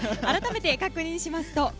改めて確認しますと